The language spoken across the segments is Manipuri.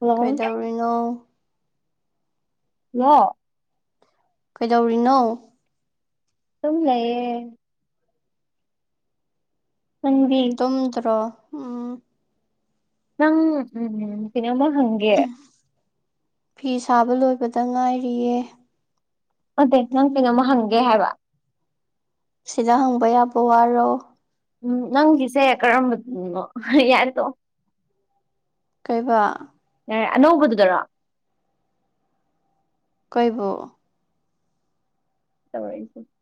ꯍꯜꯂꯣ ꯀꯩꯗꯧꯔꯤꯅꯣ ꯂꯣ ꯀꯩꯗꯧꯔꯤꯅꯣ ꯇꯨꯝ ꯂꯩꯌꯦ ꯅꯥꯪꯗꯤ ꯎꯝ ꯗꯔꯣ ꯎꯝ ꯅꯪ ꯎꯝ ꯀꯩꯅꯣ ꯃꯥ ꯍꯥꯡ ꯎꯝ ꯐꯤ ꯁꯥꯕ ꯂꯣꯏꯕꯗ ꯉꯥꯏꯔꯤꯌꯦ ꯅꯠꯇꯦ ꯅꯪ ꯀꯩꯅꯝꯃ ꯍꯪꯒꯦ ꯍꯥꯏꯕ ꯁꯤꯗ ꯍꯪꯕ ꯌꯥꯕ ꯋꯥꯔꯣ ꯎꯝ ꯅꯪꯒꯤꯁꯦ ꯀꯔꯝꯕ ꯅꯣ ꯍꯦ ꯌꯥꯔꯦ ꯇꯣꯛ ꯑꯣ ꯀꯩꯕ ꯑꯦ ꯑꯅꯧꯕꯗꯨꯗꯔꯣ ꯀꯦꯏꯕꯨ [unintelligible]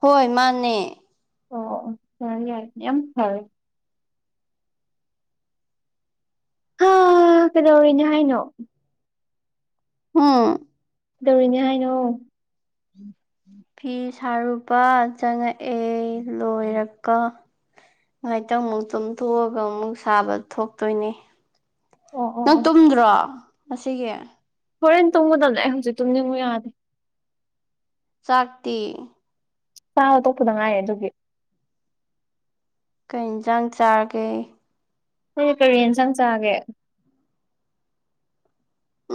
ꯍꯣꯏ ꯃꯥꯅꯦ ꯑꯣ ꯑꯣ ꯌꯥꯏ ꯌꯥꯏ ꯌꯥꯝ ꯐꯔꯦ ꯍꯥ ꯀꯩꯗꯧꯔꯤꯅꯦ ꯍꯥꯏꯅꯣ ꯍꯨꯝ ꯗꯧꯔꯤꯅꯦ ꯍꯥꯏꯅꯣ ꯐꯤ ꯁꯥꯔꯨꯕ ꯆꯪꯉꯛꯑꯦ ꯂꯣꯏꯔꯀ ꯉꯥꯏꯇꯪ ꯃꯨꯛ ꯇꯨꯝꯊꯣꯛꯑꯒ ꯑꯃꯨꯛ ꯁꯥꯕ ꯊꯣꯛꯇꯣꯏꯅꯦ ꯑꯣ ꯑꯣ ꯅꯪ ꯑꯣ ꯇꯨꯝꯗ꯭ꯔꯣ ꯉꯁꯤꯒꯤ ꯍꯣꯔꯦꯟ ꯇꯨꯝꯒꯗꯕꯅꯦ ꯍꯧꯖꯤꯛ ꯇꯨꯝꯅꯤꯡꯉꯨ ꯌꯥꯗꯦ ꯆꯥꯛꯇꯤ ꯆꯥꯕ ꯇꯣꯛꯄꯗ ꯉꯥꯏꯌꯤ ꯑꯗꯨꯒꯤ ꯀꯩ ꯌꯦꯟꯖꯥꯡ ꯆꯥꯒꯦ ꯅꯣꯏ ꯀꯔꯤ ꯌꯦꯟꯁꯥꯡ ꯆꯥꯒꯦ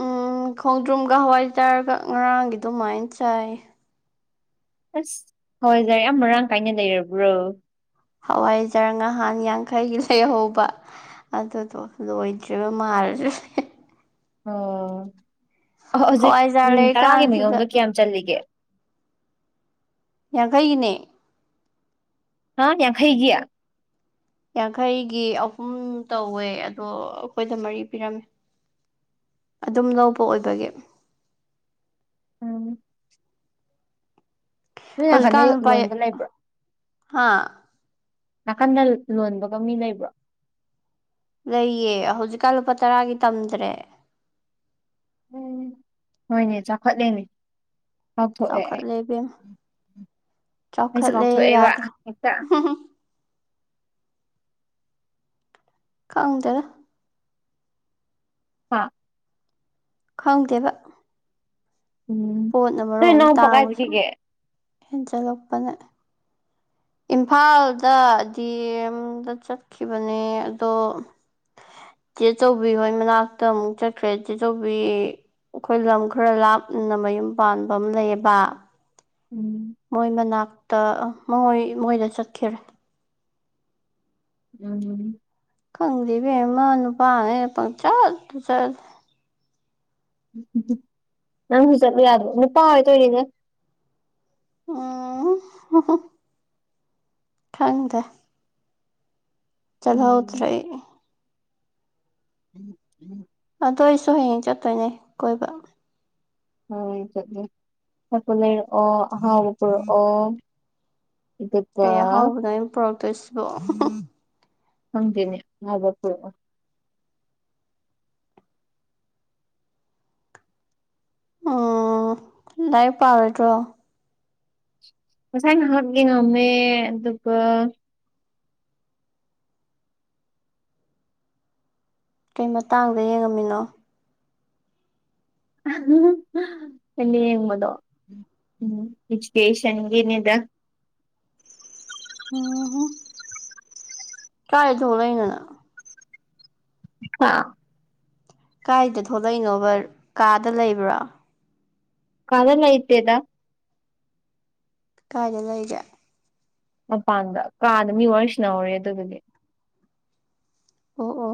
ꯎꯝ ꯈꯣꯡꯗ꯭ꯔꯨꯝꯒ ꯍꯋꯥꯏ ꯆꯥꯔꯒ ꯉꯔꯥꯡꯒꯤ ꯑꯗꯨꯃꯥꯏ ꯆꯥꯏ ꯑꯁ ꯍꯆꯥꯏꯖꯥꯔ ꯌꯥꯝ ꯃꯔꯥꯡ ꯀꯥꯏꯅ ꯂꯩꯔꯕ꯭ꯔꯣ ꯍꯋꯥꯏꯖꯔ ꯉꯥꯍꯥꯟ ꯌꯥꯡꯈꯩꯒꯤ ꯂꯩꯍꯧꯕ ꯑꯗꯨꯗꯣ ꯂꯣꯏꯗ꯭ꯔꯤꯕ ꯃꯥꯜꯂꯦ ꯑꯣ ꯑꯣꯍꯣ ꯍꯧꯖꯤꯛ ꯍꯋꯥꯏꯖꯥꯔ ꯎꯝ ꯇꯔꯥꯒꯤ ꯂꯩꯔꯤꯀꯥꯟꯁꯤꯗ ꯃꯥꯌꯣꯝꯗ ꯀꯌꯥꯝ ꯆꯜꯂꯤꯒꯦ ꯌꯥꯡꯈꯩꯒꯤꯅꯦ ꯍꯥ ꯌꯥꯡꯈꯩꯒꯤ ꯌꯥꯡꯈꯩꯒꯤ ꯑꯍꯨꯝ ꯇꯧꯋꯦ ꯑꯗꯣ ꯑꯩꯈꯣꯏꯗ ꯃꯔꯤ ꯄꯤꯔꯝꯃꯦ ꯑꯗꯨꯝ ꯂꯧꯕ ꯑꯣꯏꯕꯒꯤ ꯎꯝ ꯅꯣꯏ ꯅꯥꯀꯟꯗ ꯍꯧꯖꯤꯛꯀꯥꯟ ꯂꯨꯄꯥ ꯂꯣꯟꯕ ꯂꯩꯕ꯭ꯔꯣ ꯍꯥ ꯅꯥꯀꯟꯗ ꯂꯣꯟꯕꯒ ꯃꯤ ꯂꯩꯕ꯭ꯔꯣ ꯂꯩꯌꯦ ꯍꯧꯖꯤꯛꯀꯥꯟ ꯂꯨꯄꯥ ꯇꯔꯥꯒꯤ ꯇꯝꯗ꯭ꯔꯦ__ ꯎꯝ ꯍꯣꯏꯅꯦ ꯆꯥꯎꯈꯠꯂꯦꯅꯦ__ ꯀꯥꯎꯊꯣꯛꯑꯦ ꯑꯩ ꯆꯥꯎꯈꯠꯂꯦ ꯏꯕꯦꯝ ꯑꯩꯁꯨ ꯆꯥꯎꯈꯠꯂꯦ ꯀꯥꯎꯊꯣꯛꯑꯦꯕ ꯌꯥꯗ꯭ꯔꯦ ꯍꯦꯛꯇ__ ꯈꯪꯇꯦꯗ__ ꯍꯥ ꯈꯪꯇꯦꯕ__ ꯎꯝ ꯄꯣꯠꯅ ꯅꯣꯏ ꯃꯔꯣꯝ ꯑꯝ ꯅꯅꯥꯎꯄꯥ ꯀꯥꯏ ꯇꯥꯡꯕꯁꯨꯝ ꯆꯠꯈꯤꯒꯦ ꯍꯦꯟꯖꯜꯂꯛꯄꯅꯦ__ ꯏꯝꯐꯥꯜꯗ ꯗꯤ ꯑꯦꯝꯗ ꯆꯠꯈꯤꯕꯅꯦ ꯑꯗꯣ__ ꯆꯦꯆꯧꯕꯤ ꯍꯣꯏ ꯃꯅꯥꯛꯇ ꯑꯃꯨꯛ ꯆꯠꯈ꯭ꯔꯦ ꯆꯦꯆꯧꯕꯤ__ ꯑꯩꯈꯣꯏ ꯂꯝ ꯈꯔ ꯂꯥꯞꯅ ꯃꯌꯨꯝ ꯄꯥꯟꯕ ꯑꯝ ꯂꯩꯌꯦꯕ__ ꯎꯝ ꯃꯣꯏ ꯃꯅꯥꯛꯇ ꯃꯣꯏ ꯃꯣꯏꯗ ꯆꯠꯈꯤꯔꯦ__ ꯎꯝ ꯈꯪꯗꯦ ꯏꯕꯦꯝꯃ ꯅꯨꯄꯥꯉꯩ ꯄꯪꯆꯠꯇ ꯆꯠꯂꯤ __ ꯅꯪꯁꯨ ꯆꯠꯂꯨ ꯌꯥꯗꯔꯣ ꯅꯨꯄꯥ ꯑꯣꯏ ꯇꯣꯏꯅꯤꯗ __ ꯑꯣ ꯈꯪꯗꯦ ꯎꯝ ꯆꯠꯍꯧꯗꯔ꯭ꯦ ꯑꯩ [inaudible] ꯑꯗꯣ ꯑꯩꯁꯨ ꯍꯌꯦꯡ ꯆꯠꯇꯣꯏꯅꯦ ꯀꯣꯏꯕ__ ꯍꯣꯏ ꯆꯠꯂꯨ ꯆꯥꯄꯣꯠ ꯂꯩꯔꯛꯑꯣ ꯑꯍꯥꯎꯕ ꯄꯨꯔꯛꯑꯣ__ ꯑꯗꯨ__ ꯀꯩ ꯑꯍꯥꯎꯕꯅꯣ ꯑꯩꯅ ꯄꯨꯔꯛꯇꯣꯏꯁꯤꯕꯣ__ ꯈꯪꯗꯦꯅꯦ ꯑꯍꯥꯎꯕ ꯄꯨꯔꯛꯑꯣ__ ꯑꯥ ꯂꯥꯏꯔꯤꯛ ꯄꯥꯔꯣꯏꯗ꯭ꯔꯣ__ ꯉꯁꯥꯏ ꯉꯍꯥꯛ ꯌꯦꯡꯉꯝꯃꯦ ꯑꯗꯨꯒ__ ꯀꯩ ꯃꯇꯥꯡꯗ ꯌꯦꯡꯉꯝꯃꯤꯅꯣ__ ꯑꯩꯅ ꯌꯦꯡꯕꯗꯣ ꯎꯝ ꯀꯦꯁꯇꯦꯁꯟꯒꯤꯅꯦꯗ__ ꯑꯣ ꯍꯣ ꯀꯥꯏ ꯊꯣꯛꯂꯛꯏꯅꯣ ꯅꯪ__ ꯍꯥ ꯀꯥꯏꯗ ꯊꯣꯛꯂꯛꯏꯅꯣꯕ ꯀꯥꯗ ꯂꯩꯕ꯭ꯔꯣ__ ꯀꯥꯗ ꯂꯩꯇꯦꯗ__ ꯀꯥꯏꯗ ꯂꯩꯒꯦ ꯃꯄꯥꯟꯗ ꯀꯥꯗ ꯃꯤ ꯋꯥꯔꯤ ꯁꯥꯟꯅꯍꯧꯔꯤ ꯑꯗꯨꯗꯨꯒꯤ__ ꯑꯣ ꯑꯣ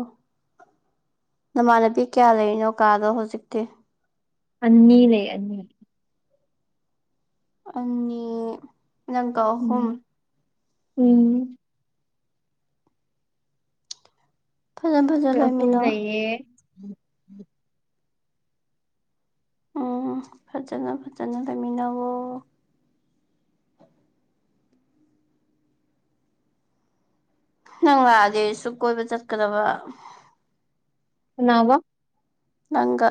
ꯅꯃꯥꯟꯅꯕꯤ ꯀꯌꯥ ꯂꯩꯔꯤꯅꯣ ꯀꯥꯗꯣ ꯍꯨꯖꯤꯛꯇꯤ__ ꯑꯅꯤ ꯂꯩ ꯑꯅꯤ ꯑꯅꯤ ꯅꯡꯀ ꯑꯍꯨꯝ__ ꯎꯝ ꯎꯝ ꯐꯖ ꯐꯖ ꯂꯩꯃꯤꯟꯅꯧ__ ꯑꯦ ꯑꯣ ꯐꯖꯅ ꯐꯖꯅ ꯂꯩꯃꯤꯟꯅꯧꯋꯣ__ ꯅꯪ ꯂꯥꯛꯑꯗꯤ ꯑꯩꯁꯨ ꯀꯣꯏꯕ ꯆꯠꯀꯗꯕ__ ꯀꯅꯥꯑꯕ __ ꯅꯪꯒ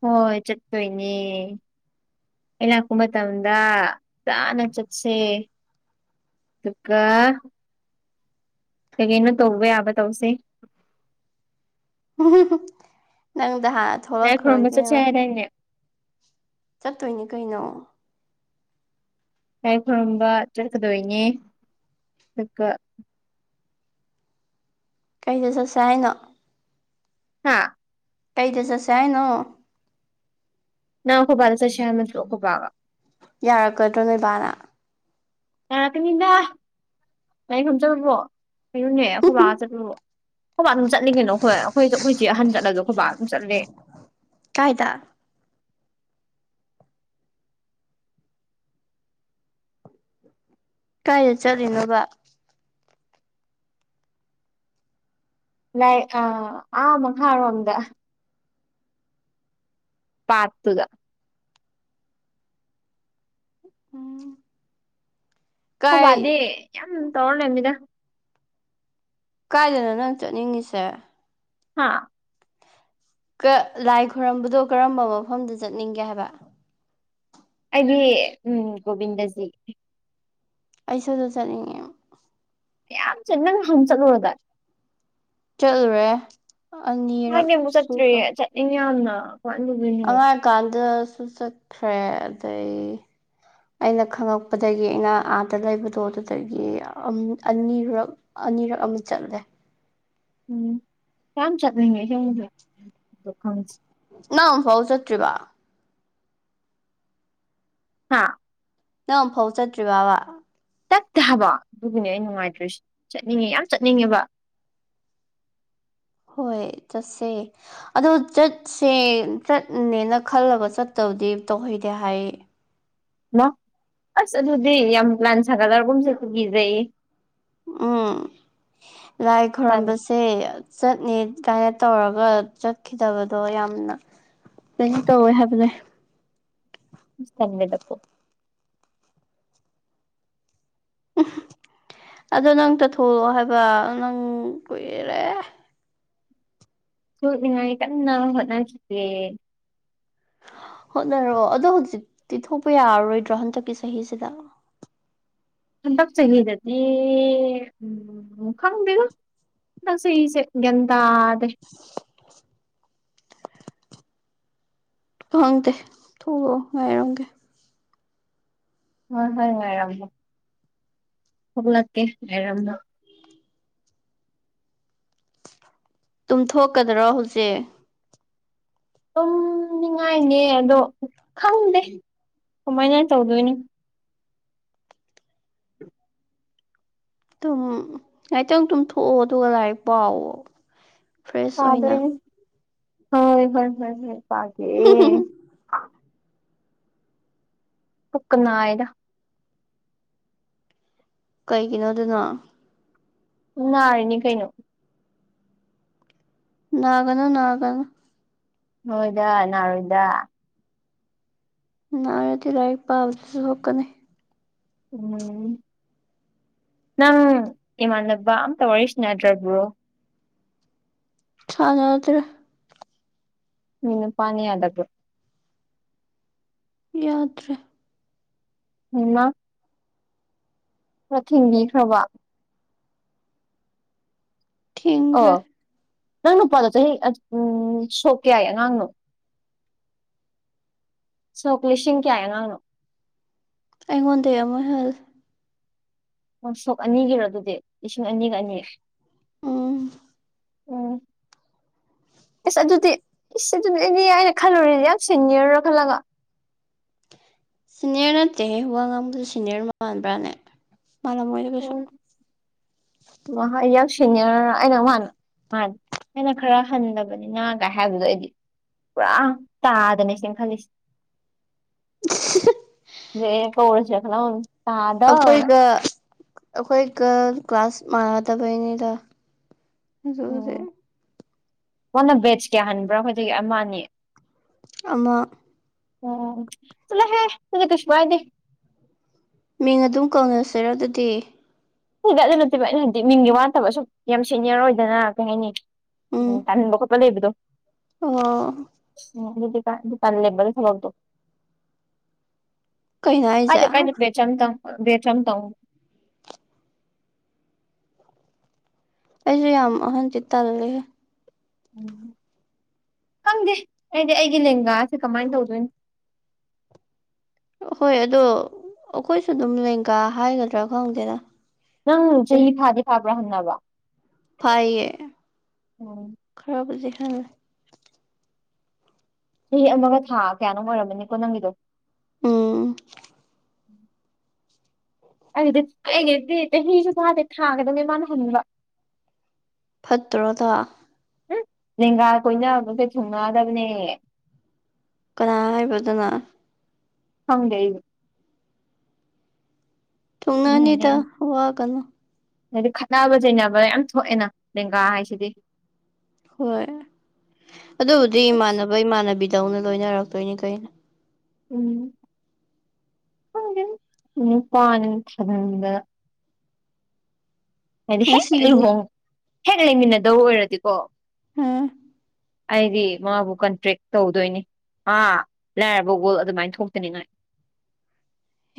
ꯍꯣꯏ ꯆꯠꯇꯣꯏꯅꯦ ꯑꯩ ꯂꯥꯛꯄ ꯃꯇꯝꯗ ꯇꯅ ꯆꯠꯁꯦ ꯑꯗꯨꯒ ꯀꯩ ꯀꯩꯅꯣ ꯇꯧꯕ ꯌꯥꯕ ꯇꯧꯁꯦ ꯅꯪꯗ ꯍꯥꯟꯅ ꯂꯥꯏ ꯊꯣꯛꯂꯛꯈ꯭ꯔꯣ ꯈꯨꯔꯨꯝꯕ ꯆꯠꯁꯦ ꯏꯕꯦꯝꯃ ꯍꯥꯏꯗꯥꯏꯅꯦ ꯆꯠꯇꯣꯏꯅꯤ ꯀꯩꯅꯣ ꯂꯥꯏ ꯈꯨꯔꯨꯝꯕ ꯆꯠꯀꯗꯣꯏꯅꯦ ꯑꯗꯨꯒ ꯀꯩꯗ ꯆꯠꯁꯦ ꯍꯥꯏꯅꯣ ꯍꯥꯥ ꯀꯩꯗ ꯆꯠꯁꯦ ꯍꯥꯏꯅꯣ ꯅꯪ ꯑꯈꯣꯕꯥꯗ ꯆꯠꯁꯦ ꯍꯥꯏꯕ ꯅꯠꯇ꯭ꯔꯣ ꯈꯣꯕꯥꯒ ꯌꯥꯔꯛꯀꯗ꯭ꯔꯣ ꯅꯣꯏ ꯕꯥꯅ ꯌꯔꯥꯛꯀꯅꯤꯗ ꯂꯥꯏ ꯈꯨꯔꯨꯝ ꯆꯠꯄꯕꯣ ꯀꯩꯅꯨꯅꯦ ꯑꯈꯣꯏꯕꯥ ꯆꯠꯄꯕꯨ ꯈꯣꯏꯕꯥ ꯑꯗꯨꯝ ꯆꯠꯂꯤ ꯀꯩꯅꯣ ꯑꯈꯣꯏ ꯑꯈꯣꯏ ꯑꯈꯣꯏ ꯆꯦ ꯑꯍꯟ ꯆꯠꯂꯨꯖꯨ ꯑꯈꯣꯏꯕꯥ ꯑꯗꯨꯝ ꯆꯠꯂꯦ ꯀꯥꯏꯗ ꯀꯥꯏꯗ ꯆꯠꯂꯤꯅꯣꯕ ꯂꯥꯏ ꯑꯥ ꯑꯥ ꯃꯈꯥꯔꯣꯝꯗ ꯄꯥꯠꯇꯨꯗ ꯎꯝ ꯈꯣꯕꯗꯤ ꯀꯥꯏ ꯌꯥꯝ ꯇꯧꯔꯥꯂꯩꯔꯝꯅꯤꯗ ꯀꯥꯏꯗꯅꯣ ꯅꯪ ꯆꯠꯅꯤꯡꯉꯤꯁꯦ ꯍꯥꯥ ꯀꯥ ꯂꯥꯏ ꯈꯣꯏꯔꯝꯕꯗꯣ ꯀꯔꯝꯕ ꯃꯐꯝꯗ ꯆꯠꯅꯤꯡꯒꯦ ꯍꯥꯏꯕ ꯑꯩꯗꯤ ꯎꯝ ꯒꯣꯕꯤꯟꯗꯖꯤ ꯑꯩꯁꯨꯗꯨ ꯆꯠꯅꯤꯡꯉꯦ ꯌꯥꯝ ꯆꯠ ꯅꯪ ꯍꯪ ꯆꯠꯂꯨꯔꯗꯥꯏ ꯆꯠꯂꯨꯔꯦ ꯑꯅꯤꯔꯛ ꯁꯨꯈ꯭ꯔꯦ ꯏꯪꯌꯥꯝꯅ ꯀꯃꯥꯏ ꯇꯧꯗꯣꯏꯅꯣ ꯀꯥꯟꯗꯁꯨ ꯆꯠꯈ꯭ꯔꯦ ꯑꯗꯩ ꯑꯩꯅ ꯈꯪꯉꯛꯄꯗꯒꯤ ꯑꯩꯅ ꯑꯥꯗ ꯂꯩꯕꯗꯣ ꯑꯗꯨꯗꯒꯤ ꯑꯝ ꯑꯅꯤꯔꯛ ꯑꯅꯤꯔꯛ ꯑꯃꯨꯛ ꯆꯠꯂꯦ ꯎꯝ ꯌꯥꯝ ꯆꯠꯂꯤꯅꯦ ꯑꯁꯦꯡꯕꯁꯨ ꯅꯪ ꯑꯝꯐꯥꯎ ꯆꯠꯇ꯭ꯔꯤꯕ ꯍꯥꯥ ꯅꯪ ꯑꯝꯐꯥꯎ ꯆꯠꯇ꯭ꯔꯤꯕꯕ ꯇꯠꯇꯦ ꯍꯥꯏꯕ ꯑꯗꯨꯒꯤꯅꯦ ꯑꯩ ꯅꯨꯡꯉꯥꯏꯇ꯭ꯔꯤꯁ ꯆꯠꯅꯤꯡꯉꯦ ꯌꯥꯝ ꯆꯠꯅꯤꯡꯉꯦꯕ ꯍꯣꯏ ꯆꯠꯁꯦ ꯑꯗꯣ ꯆꯠꯁꯦ ꯆꯠꯅꯦꯅ ꯈꯜꯂꯒ ꯆꯠꯇꯕꯗꯤ ꯇꯧꯍꯩꯗꯦ ꯍꯥꯏꯌꯦ ꯃ ꯑꯁ ꯑꯗꯨꯗꯤ ꯌꯥꯝ ꯄ꯭ꯂꯥꯟ ꯁꯥꯒꯠꯂꯔꯒꯨꯝꯁꯨ ꯑꯗꯨ ꯀꯤꯖꯩꯌꯦ ꯎꯝ ꯂꯥꯏ ꯇꯟ ꯈꯣꯏꯔꯨꯝꯕ ꯁꯦ ꯆꯠꯅꯦ ꯀꯥꯏꯅ ꯇꯧꯔꯒ ꯆꯠꯈꯤꯗꯕꯗꯣ ꯌꯥꯝꯅ ꯀꯩꯅꯣ ꯇꯧꯋꯦ ꯍꯥꯏꯕꯅꯦ ꯇꯝꯃꯦꯗꯀꯣ ꯎ ꯑꯗꯣ ꯅꯪ ꯇ ꯊꯣꯛꯂꯛꯑꯣ ꯍꯥꯏꯕ ꯅꯪ ꯀꯨꯏꯔꯔꯦ ꯊꯣꯛꯅꯤꯡꯉꯥꯏꯅ ꯀꯥꯟꯅ ꯍꯣꯠꯅꯈꯤꯒꯦ ꯍꯣꯠꯅꯔꯣ ꯑꯗꯣ ꯍꯧꯖꯤꯛꯇꯤ ꯊꯣꯛꯄ ꯌꯥꯔꯔꯣꯏꯗ꯭ꯔꯣ ꯍꯟꯗꯛꯀꯤ ꯆꯍꯤꯁꯤꯗ ꯍꯟꯗꯛ ꯆꯒꯤꯗꯗꯤ ꯎꯝ ꯈꯪꯗꯦꯗ ꯅꯪ ꯁꯛ ꯏꯁꯦ ꯒ꯭ꯌꯥꯟꯇꯗꯦ ꯈꯪꯇꯦ ꯊꯣꯛꯂꯣꯑꯣ ꯉꯥꯏꯔꯝꯒꯦ ꯍꯣꯏ ꯍꯣꯏ ꯉꯥꯏꯔꯝꯃꯣ ꯊꯣꯛꯂꯛꯀꯦ ꯉꯥꯏꯔꯝꯃꯣ ꯇꯨꯝꯊꯣꯛꯀꯗꯔꯣ ꯍꯨꯖꯤꯛ ꯇꯨꯝꯅꯤꯡꯉꯥꯏꯅꯦ ꯑꯗꯣ ꯈꯪꯗꯦ ꯀꯃꯥꯏꯅ ꯇꯧꯗꯣꯏꯅꯣ ꯎꯝ ꯉꯩꯇꯪ ꯇꯨꯝꯊꯣꯛꯑꯣ ꯑꯗꯨꯒ ꯂꯥꯏꯔꯤꯛ ꯄꯥꯎꯑꯣ ꯐ꯭ꯔꯦꯁ ꯑꯣꯏꯅ ꯄꯥꯗꯣꯏꯅꯦ ꯍꯣꯏ ꯍꯣꯏ ꯍꯣꯏ ꯍꯣꯏ ꯄꯥꯒꯦ ꯄꯏꯛꯀ ꯅꯥꯏꯌꯦꯗ ꯀꯩꯒꯤꯅꯣ ꯑꯗꯨꯅ ꯎꯝ ꯅꯥꯔꯤꯅꯤ ꯀꯩꯅꯣ ꯅꯥꯒꯅꯣ ꯅꯥꯒꯅꯣ ꯍꯣꯏꯗ ꯅꯔꯣꯏꯗ ꯅꯥꯔꯗꯤ ꯂꯥꯏꯔꯤꯛ ꯄꯥꯕꯗꯁꯨ ꯁꯣꯛꯀꯅꯤ ꯎꯝ ꯅꯪ ꯏꯃꯥꯟꯅꯕ ꯑꯝꯇ ꯋꯥꯔꯤ ꯁ꯭ꯅꯗ꯭ꯔꯕ꯭ꯔꯣ ꯁꯥꯟꯅꯥꯗ꯭ꯔꯦ ꯃꯤ ꯅꯨꯄꯥꯅ ꯌꯥꯗꯕ꯭ꯔꯣ ꯌꯥꯗ꯭ꯔꯦ ꯍꯩꯃ ꯈ꯭ꯔ ꯊꯤꯡꯕꯤꯈ꯭ꯔꯕ ꯑꯣ ꯊꯤꯡꯈ꯭ꯔꯦ ꯅꯪ ꯅꯨꯄꯥꯗꯣ ꯆꯍꯤ ꯑꯠꯁ ꯎꯝ ꯁꯣꯛ ꯀꯌꯥꯏ ꯑꯉꯥꯡꯅꯣ ꯁꯣꯛ ꯂꯤꯁꯤꯡ ꯀꯌꯥꯏ ꯑꯉꯥꯡꯅꯣ ꯑꯩꯉꯣꯟꯗꯩ ꯑꯃꯥ ꯍꯦꯜꯂꯦ ꯑꯣ ꯁꯣꯛ ꯑꯅꯤꯒꯤꯔꯣ ꯑꯗꯨꯗꯤ ꯂꯤꯁꯤꯡ ꯑꯅꯤꯒ ꯑꯅꯤ ꯎꯝ ꯎꯝ ꯏꯁ ꯑꯗꯨꯗꯤ ꯏꯁ ꯑꯗꯨꯗꯤ ꯑꯩꯗꯤ ꯑꯩꯅ ꯈꯜꯂꯨꯔꯤꯖꯤ ꯌꯥꯝ ꯁꯦꯅ꯭ꯌꯔ ꯈꯜꯂꯒ ꯁꯤꯅ꯭ꯌꯔ ꯅꯠꯇꯦꯍꯦ ꯋꯥ ꯉꯥꯡꯕꯗ ꯁꯤꯅ꯭ꯌꯔ ꯃꯥꯟꯕ꯭ꯔꯥꯅꯦ ꯃꯂꯝꯃꯣꯏꯗ ꯀꯩꯁꯨ ꯃꯥꯍ ꯌꯥꯝ ꯁꯦꯅ꯭ꯌꯔ ꯑꯩꯅ ꯃꯥꯅ ꯃꯥꯅꯤ ꯑꯩꯅ ꯈ꯭ꯔ ꯍꯟꯗꯕꯅꯤꯅ ꯒꯥꯏ ꯍꯥꯏꯕꯗꯨꯗ ꯑꯩꯗꯤ ꯄꯨꯔꯥ ꯇꯥꯗꯅꯦ ꯆꯦꯟꯈꯠꯂꯤꯖꯤ [unintelligible] ꯅꯦ ꯀꯧꯔꯖꯤꯔ ꯈꯜꯂꯝꯃꯃꯤ ꯑꯩꯈꯣꯏꯒ ꯑꯩꯈꯣꯏꯒ ꯀ꯭ꯂꯥꯁ ꯃꯥꯟꯅꯗꯕꯩꯅꯤꯗ ꯅꯪꯖꯣ ꯑꯗꯨꯗꯤ ꯋꯥꯅ ꯕꯦꯠꯖ ꯀ꯭ꯌꯥ ꯍꯟꯕ꯭ꯔꯥ ꯑꯈꯣꯏꯗꯒꯤ ꯑꯃꯥ ꯑꯅꯤ ꯑꯃꯥ ꯑꯣ ꯆꯠꯂꯣꯍꯦ ꯑꯗꯨꯗꯤ ꯀꯩꯁꯨ ꯀꯥꯏꯗꯦ ꯃꯤꯡ ꯑꯗꯨꯝ ꯀꯧꯅꯁꯤꯔ ꯑꯗꯨꯗꯤ ꯍꯣꯏꯗ ꯑꯗꯨ ꯅꯠꯇꯦꯕ ꯑꯩꯅ ꯍꯥꯏꯗꯤ ꯃꯤꯡꯒꯤ ꯋꯥꯠꯇꯕꯁꯨ ꯌꯥꯝ ꯁꯦꯅ꯭ꯌꯔ ꯑꯣꯏꯗꯅ ꯀꯩ ꯍꯥꯏꯅꯤ ꯎꯝ ꯇꯥꯅꯤꯡꯕ ꯈꯣꯠ ꯄ ꯂꯩꯕꯗꯣ ꯑꯣ ꯎꯝ ꯑꯗꯨꯗꯤ ꯀꯥꯟ ꯑꯗꯨ ꯇꯥꯜꯂꯦꯕ ꯑꯗꯨ ꯊꯕꯛꯗꯣ ꯀꯩꯅꯣ ꯍꯥꯏꯁꯦ ꯀꯥꯏꯗꯦ ꯀꯥꯏꯗꯦ ꯑꯩꯁꯨ ꯕꯦꯠꯁ ꯑꯝꯇꯪ ꯑꯝꯇꯪꯕꯨ ꯑꯩꯖꯨ ꯌꯥꯝ ꯑꯍꯟꯖꯦ ꯇꯜꯂꯦꯍꯦ ꯎꯝ ꯈꯪꯗꯦ ꯑꯩꯗꯤ ꯑꯩꯒꯤ ꯂꯦꯡꯒꯥꯁꯦ ꯀꯃꯥꯏꯅ ꯇꯧꯗꯣꯏꯅꯣ ꯍꯣꯏ ꯑꯗꯣ ꯑꯩꯈꯣꯏꯁꯨ ꯑꯗꯨꯝ ꯂꯦꯡꯒꯥ ꯍꯥꯏꯒꯗ꯭ꯔꯥ ꯈꯪꯗꯦꯗ ꯅꯪ ꯁꯦ ꯆꯍꯤ ꯐꯥꯗꯤ ꯐꯥꯕ꯭ꯔꯥ ꯍꯟꯅꯕ ꯐꯥꯏꯌꯦ ꯎꯝ ꯈꯔꯕꯨꯗꯤ ꯍꯟꯂꯦ ꯆꯍꯤ ꯑꯃꯒ ꯊꯥ ꯀꯌꯥꯅꯣ ꯑꯣꯏꯔꯝꯃꯅꯤꯀꯣ ꯅꯪꯒꯤꯗꯣ ꯎꯝ ꯑꯩꯗꯤ ꯑꯩꯒꯤꯗꯤ ꯆꯍꯤꯁꯨ ꯐꯥꯗꯦ ꯊꯥ ꯈꯛꯇꯅꯦ ꯃꯥꯅ ꯍꯟꯕ ꯐꯠꯇ꯭ꯔꯣ ꯑꯗꯣ ꯎꯝ ꯂꯦꯡꯒꯥ ꯀꯣꯏꯅꯕꯁꯦ ꯊꯨꯡꯅꯗꯕꯅꯦ ꯀꯅꯥ ꯍꯥꯏꯕ ꯑꯗꯨꯅ ꯈꯪꯗꯦ ꯑꯩꯁꯨ ꯊꯨꯡꯅꯥꯅꯤꯗ ꯋꯥꯒꯅꯨ ꯍꯥꯏꯗꯤ ꯈꯠꯅꯕ ꯆꯩꯅꯕ ꯌꯥꯝ ꯊꯣꯛꯑꯦꯅ ꯂꯦꯡꯒꯥ ꯍꯥꯏꯁꯤꯗꯤ ꯍꯣꯏ ꯑꯗꯨꯕꯨꯗꯤ ꯏꯃꯥꯟꯅꯕ ꯏꯃꯥꯟꯅꯕꯤꯗꯧꯅ ꯂꯣꯏꯅꯔꯛꯇꯣꯏꯅꯤ ꯀꯩꯅꯣ ꯎꯝꯈꯪꯗꯦꯗ ꯅꯨꯄꯥꯅꯤꯅ ꯊꯖꯟꯅꯤꯡꯕꯅ ꯍꯥꯏꯗꯤ ꯍꯦꯛ ꯉꯁꯤꯒꯤꯗꯤ ꯂꯨꯍꯣꯡ ꯍꯦꯛ ꯂꯩꯃꯤꯟꯅꯗꯧ ꯑꯣꯏꯔꯗꯤꯀꯣ ꯎꯝ ꯑꯩꯗꯤ ꯃꯥꯕꯨ ꯀꯟꯇ꯭ꯔꯦꯛ ꯇꯧꯗꯣꯏꯅꯤ ꯑꯥ ꯂꯥꯏꯔꯕ ꯋꯥꯜ ꯑꯗꯨꯃꯥꯏꯅ ꯊꯣꯛꯇꯅꯤꯡꯉꯥꯏ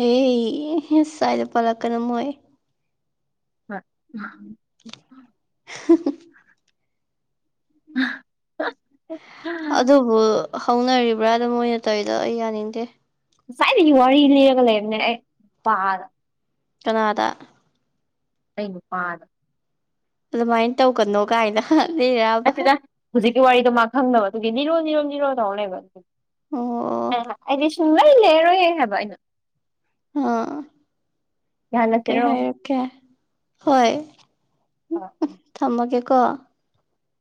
ꯑꯦ ꯏꯁ ꯁꯥꯏꯗ ꯄꯥꯜꯂꯛꯀꯅꯨ ꯃꯣꯏ [unintelligible] [unintelligible] [unintelligible] ꯑꯗꯨꯕꯨ ꯍꯧꯅꯔꯤꯕ꯭ꯔꯥꯗ ꯃꯣꯏꯅ ꯇꯧꯔꯤꯗꯣ ꯑꯩ ꯌꯥꯅꯤꯡꯗꯦ ꯉꯁꯥꯏꯗꯒꯤ ꯋꯥꯔꯤ ꯂꯤꯔꯒ ꯂꯩꯕꯅꯦ ꯑꯩ ꯄꯥꯗ ꯀꯅꯥꯗ ꯑꯩ ꯅꯨꯄꯥꯥꯗ ꯑꯗꯨꯃꯥꯏꯅ ꯇꯧꯒꯅꯣ ꯀꯥꯏꯅ ꯂꯤꯔꯤꯔꯕ ꯅꯠꯇꯦꯗ ꯍꯧꯖꯤꯛꯀꯤ ꯋꯥꯔꯤꯗꯣ ꯃꯥ ꯈꯪꯗꯕ ꯑꯗꯨꯒꯤ ꯂꯤꯔꯣ ꯂꯤꯃꯣꯟ ꯂꯤꯔꯣ ꯇꯧꯔ ꯂꯩꯕ ꯑꯗꯨ ꯑꯣ ꯑꯩꯗꯤ ꯁꯨꯡꯂꯩ ꯂꯤꯔꯔꯣꯏ ꯍꯥꯏꯕ ꯑꯩꯅ ꯑꯥꯑꯥ ꯀꯩ ꯌꯥꯍꯜꯂꯁꯤꯔꯣ ꯍꯥꯏꯔꯛ ꯀꯦ ꯍꯣꯏ ꯑꯥ ꯊꯝꯃꯒꯦꯀꯣ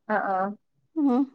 ꯑ ꯑꯥ ꯎꯝ